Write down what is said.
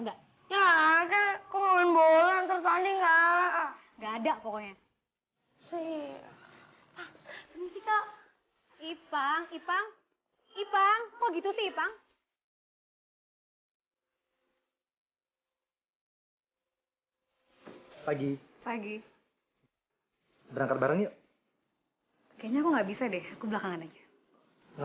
nggak ya keren keren bola tersanding nggak ada pokoknya